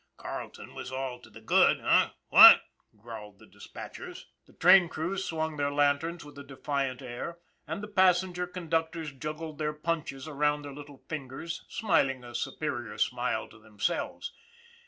" Carleton was all to the good, h'm ? what !" growled the dispatchers. The train crews swung their lanterns with a defiant air, and the passenger conductors juggled their punches around their little fingers, smiling a superior smile to themselves.